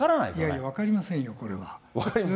いやいや分かりませんよ、これは。